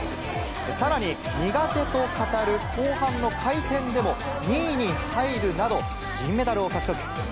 さらに、苦手と語る後半の回転でも２位に入るなど、銀メダルを獲得。